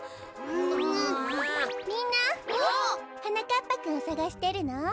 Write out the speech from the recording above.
みんなはなかっぱくんをさがしてるの？